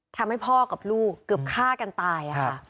ทำให้พ่อกับลูกเกือบฆ่ากันตายค่ะ